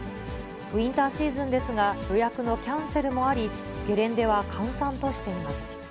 ウインターシーズンですが、予約のキャンセルもあり、ゲレンデは閑散としています。